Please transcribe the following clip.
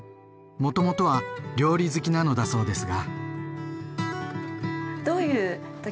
もともとは料理好きなのだそうですが。